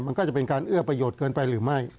มันก็จะเป็นการเอื้อประโยชน์เกินไปหรือไม่